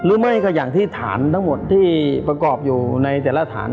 หรือไม่ก็อย่างที่ฐานทั้งหมดที่ประกอบอยู่ในแต่ละฐาน